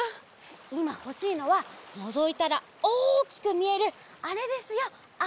いまほしいのはのぞいたらおおきくみえるあれですよあれ！